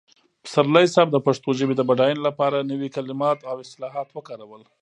پسرلي صاحب د پښتو ژبې د بډاینې لپاره نوي کلمات او اصطلاحات وکارول.